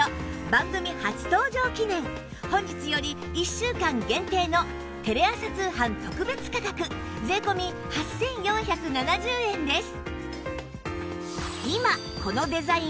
番組初登場記念本日より１週間限定のテレ朝通販特別価格税込８４７０円です